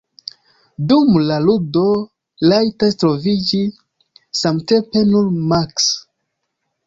Dum la ludo, rajtas troviĝi samtempe nur maks.